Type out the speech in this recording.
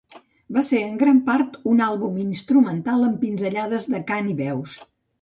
Va ser en gran part un àlbum instrumental amb pinzellades de cant i veus.